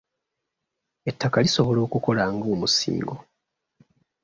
Ettaka lisobola okukola nga omusingo.